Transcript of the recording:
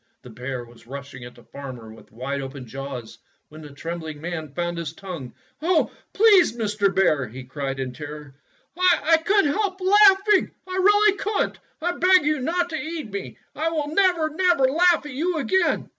The bear was rushing at the farmer with wide open jaws when the trembling man found his tongue. "Oh, please, Mr. Bear," he cried in terror, "T could n't help laughing! I really could n't! I beg you not to eat me. I will never, never laugh at you again."